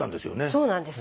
そうなんです。